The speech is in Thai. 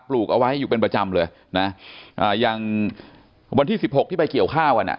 ลูกเอาไว้อยู่เป็นประจำเลยนะอ่าอย่างวันที่สิบหกที่ไปเกี่ยวข้าวกันอ่ะ